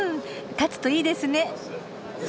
勝つといいですね。